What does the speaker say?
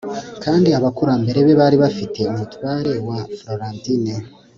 Kandi abakurambere be bari bafite umutware wa Florentine